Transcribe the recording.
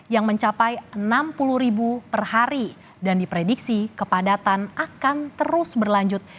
yang mencapai enam puluh ribu per hari dan diprediksi kepadatan akan terus berlanjut